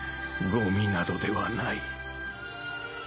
ゴミなどではない